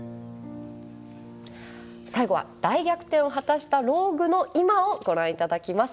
最後は大逆転を果たしたＲＯＧＵＥの今をご覧頂きます。